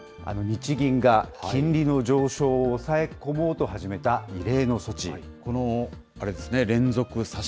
日銀が金利の上昇を抑え込もうと始めた異例の措置。